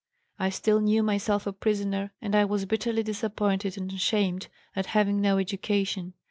I still knew myself a prisoner and I was bitterly disappointed and ashamed at having no education.